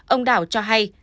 ông đảo cho hay